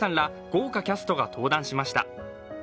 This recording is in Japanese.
豪華キャストが登壇しました。